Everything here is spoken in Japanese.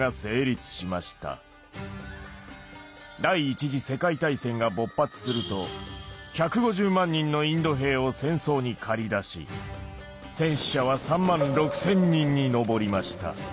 第１次世界大戦が勃発すると１５０万人のインド兵を戦争に駆り出し戦死者は３万６，０００人に上りました。